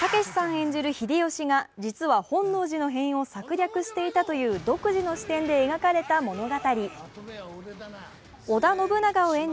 演じる秀吉が実は本能寺の変を策略していたという独自の視点で描かれた物語。